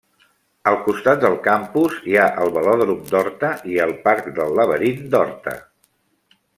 Al costat del Campus hi ha el Velòdrom d'Horta i el Parc del Laberint d'Horta.